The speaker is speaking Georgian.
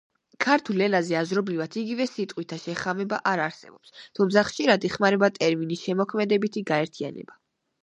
ქართულ ენაზე აზრობრივად იგივე სიტყვათა შეხამება არ არსებობს, თუმცა ხშირად იხმარება ტერმინი შემოქმედებითი გაერთიანება.